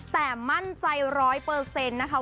แต่มั่นใจร้อยเปอร์เซ็นต์นะคะ